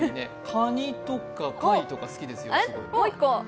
かにとか貝とか好きですよ。